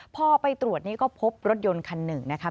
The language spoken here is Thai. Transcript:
พอไปตรวจนี่ก็พบรถยนต์คันหนึ่งนะคะ